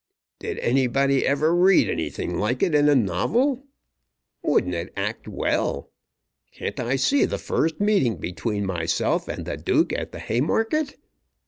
Did anybody ever read anything like it in a novel? Wouldn't it act well? Can't I see the first meeting between myself and the Duke at the Haymarket!